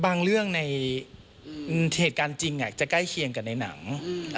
เรื่องในเหตุการณ์จริงจะใกล้เคียงกันในหนัง